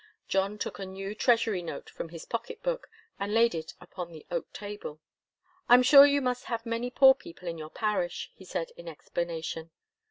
John took a new treasury note from his pocket book and laid it upon the oak table. "I'm sure you must have many poor people in your parish," he said, in explanation.